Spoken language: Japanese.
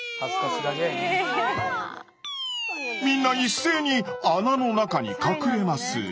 みんな一斉に穴の中に隠れます。